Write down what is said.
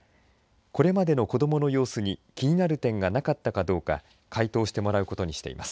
これまでの子どもの様子に気になる点がなかったかどうか回答してもらうことにしています。